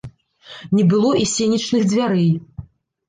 Не было і сенечных дзвярэй.